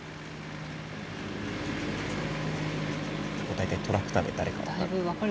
大体トラクターで誰か分かる。